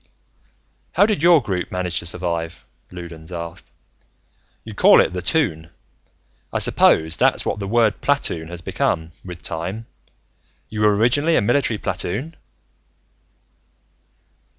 "How did your group manage to survive?" Loudons asked. "You call it the Toon. I suppose that's what the word platoon has become, with time. You were, originally, a military platoon?"